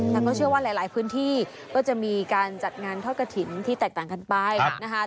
แต่ก็เชื่อว่าหลายพื้นที่ก็จะมีการจัดงานทอดกระถิ่นที่แตกต่างกันไปนะคะ